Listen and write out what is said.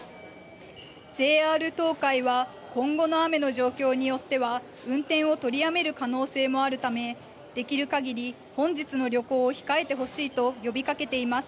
ＪＲ東海は、今後の雨の状況によっては、運転を取りやめる可能性もあるため、できるかぎり本日の旅行を控えてほしいと呼びかけています。